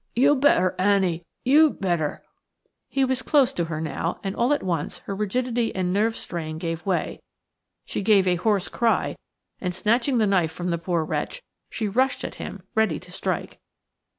You'd better, Annie–you'd better–" He was close to her now, and all at once her rigidity and nerve strain gave way; she gave a hoarse cry, and snatching the knife from the poor wretch, she rushed at him ready to strike.